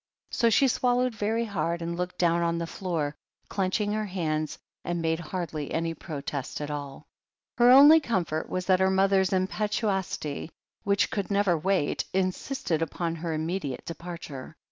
'* So she swallowed very hard, and looked down on the floor, clenching her hands, and made hardly any protest at all. Her only comfort was that her mother's impetuosity, which could never wait, insisted upon her immediate departure.